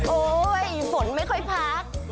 โอ๊ยฝนไม่ค่อยพัก